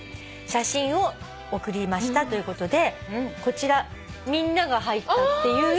写真を送りました」ということでこちらみんなが入ったっていう。